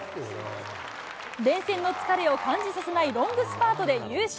連戦の疲れを感じさせないロングスパートで優勝。